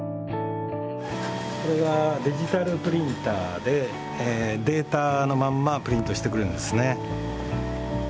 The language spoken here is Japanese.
これがデジタルプリンターでデータのまんまプリントしてくれるんですね。